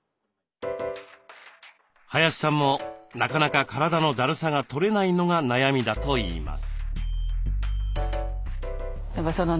林さんもなかなか体のだるさが取れないのが悩みだといいます。